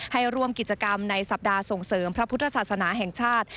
ให้ร่วมกิจกรรมในสัปดาห์ส่งเสริมพระพุทธศาสนาแห่งชาติ